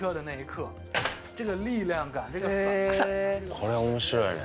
これ面白いね。